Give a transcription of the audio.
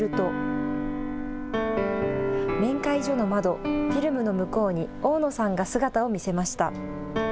小屋に入ると、面会所の窓、フィルムの向こうに、大野さんが姿を見せました。